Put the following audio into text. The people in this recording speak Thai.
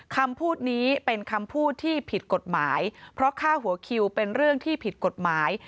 คำพูดนี้เป็นคำพูดที่ผิดกฎหมายเพราะค่าหัวคิวเป็นเรื่องที่ผิดกฎหมาย